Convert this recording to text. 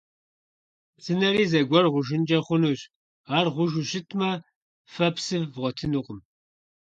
Псынэри зэгуэр гъужынкӀэ хъунущ. Ар гъужу щытмэ, фэ псы вгъуэтынукъым.